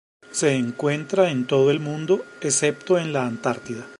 Se encuentra en todo el mundo, excepto en la Antártida.